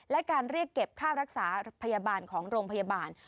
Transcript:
และการเรียกเก็บค่ารักษาพยาบาลของโรงพยาบาล